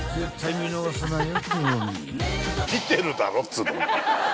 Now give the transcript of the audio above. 見逃すなよ。